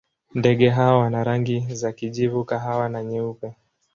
Ndege hawa wana rangi za kijivu, kahawa na nyeupe.